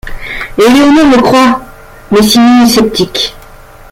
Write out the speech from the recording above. Eleanor le croit, mais Simon est sceptique.